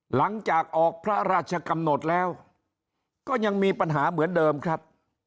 หลังจากออกพระราชกำหนดแล้วก็ยังมีปัญหาเหมือนเดิมครับ